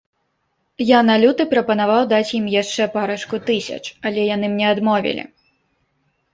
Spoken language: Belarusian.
Я на люты прапанаваў даць ім яшчэ парачку тысяч, але яны мне адмовілі.